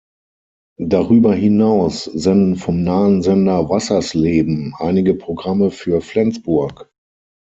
Darüber hinaus senden vom nahen Sender Wassersleben einige Programme für Flensburg.